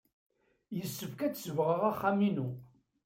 Yessefk ad d-sebɣeɣ axxam-inu.